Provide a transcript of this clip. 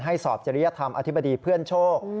สอบจริยธรรมอธิบดีเพื่อนโชค